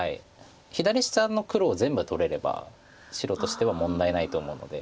左下の黒を全部取れれば白としては問題ないと思うので。